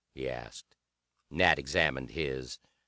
he asked. Nat examined his.